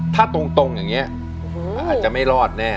ถ้าตรงอย่างนี้อาจจะไม่รอดแน่